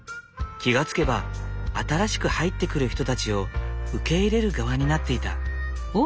気が付けば新しく入ってくる人たちを受け入れる側になっていた。